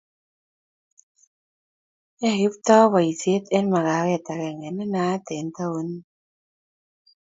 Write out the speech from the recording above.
yoei Kiptoo boisie eng makawet agenge ne naat eng taunit